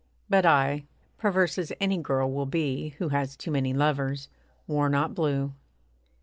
But I, perverse as any girl will be Who has too many lovers, wore not blue.